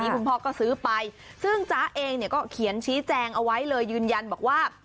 คุณพ่อก็ซื้อไปซึ่งจ๊ะเองก็เขียนชี้แจงเอาไว้เลยยืนยันบอกว่า